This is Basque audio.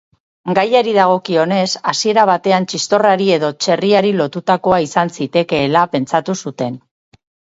Gaiari dagokionez, hasiera batean txistorrari edo txerriari lotutakoa izan zitekeela pentsatu zuten.